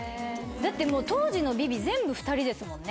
だって当時の『ＶｉＶｉ』全部２人ですもんね。